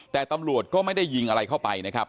แต่ตำรวจก็ไม่ได้ยิงอะไรเข้าไปนะครับ